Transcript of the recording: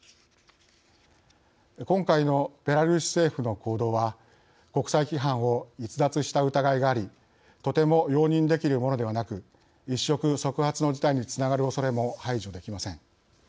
今回のベラルーシ政府の行動は国際規範を逸脱した疑いがありとても容認できるものではなく一触即発の事態につながるおそれも排除できません。